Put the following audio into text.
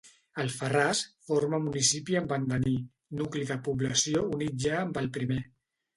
Alfarràs forma municipi amb Andaní, nucli de població unit ja amb el primer.